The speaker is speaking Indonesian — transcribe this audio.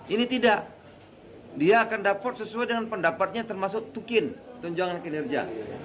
ini tidak dia akan dapat sesuai dengan pendapatnya termasuk tukin tunjangan kinerja